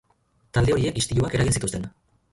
Talde horiek istiluak eragin zituzten.